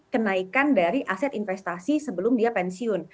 kenaikan dari aset investasi sebelum dia pensiun